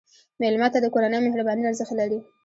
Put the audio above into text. مېلمه ته د کورنۍ مهرباني ارزښت لري.